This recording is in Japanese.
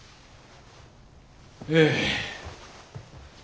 ええ。